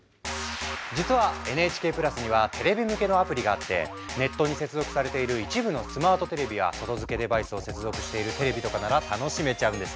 実はＮＨＫプラスにはテレビ向けのアプリがあってネットに接続されている一部のスマートテレビや外付けデバイスを接続しているテレビとかなら楽しめちゃうんです。